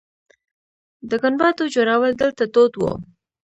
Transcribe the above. د ګنبدو جوړول دلته دود و